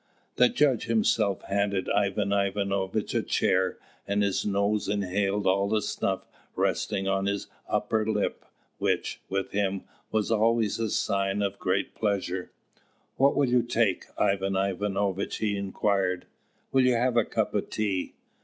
The judge himself handed Ivan Ivanovitch a chair; and his nose inhaled all the snuff resting on his upper lip, which, with him, was always a sign of great pleasure. "What will you take, Ivan Ivanovitch?" he inquired: "will you have a cup of tea?"